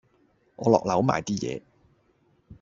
我落樓買啲嘢